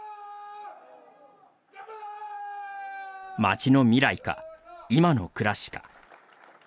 町の未来か、今の暮らしか。